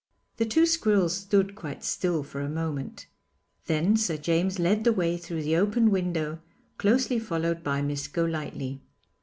The two squirrels stood quite still for a moment. Then Sir James led the way through the open window, closely followed by Miss Golightly.